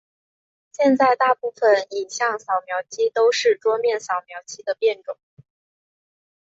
现在大部份影像扫描机都是桌面扫描机的变种。